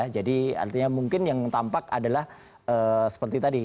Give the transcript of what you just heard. jadi artinya mungkin yang tampak adalah seperti tadi